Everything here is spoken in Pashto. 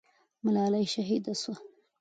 ملالۍ شهیده سوه.